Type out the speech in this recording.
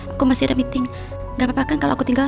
aku masih ada meeting gak apa apa kan kalau aku tinggal